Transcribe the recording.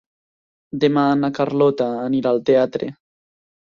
Demà na Carlota anirà al teatre.